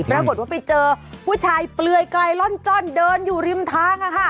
ปรากฏว่าไปเจอผู้ชายเปลือยไกลล่อนจ้อนเดินอยู่ริมทาง